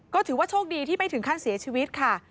ก็ถือว่าโชคดีที่ไม่ถึงขั้นเสียชีวิตค่ะ